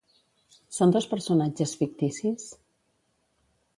Són dos personatges ficticis?